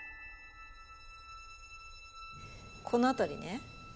この辺りね。